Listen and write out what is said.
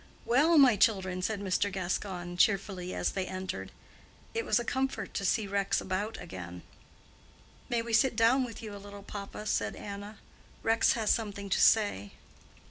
"Well, my children!" said Mr. Gascoigne, cheerfully, as they entered. It was a comfort to see Rex about again. "May we sit down with you a little, papa?" said Anna. "Rex has something to say."